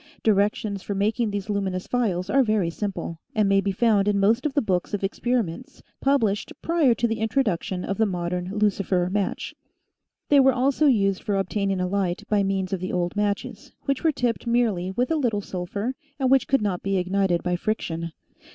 Directions for making these luminous phials are very simple, and may be found in most of the books of experiments published prior to the introduction of the modern lucifer match. They were also used for obtaining a light by means of the old matches, which were tipped merely with a little sulphur, and which could not be ignited by friction.